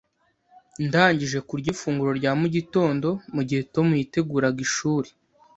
Ndangije kurya ifunguro rya mu gitondo mugihe Tom yiteguraga ishuri.